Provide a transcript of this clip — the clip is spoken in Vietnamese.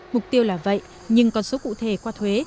mục tiêu là vậy nhưng con số cụ thể qua thuế